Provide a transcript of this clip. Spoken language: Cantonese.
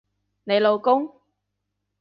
你老公？